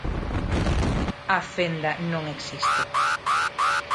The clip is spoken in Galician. A fenda non existe.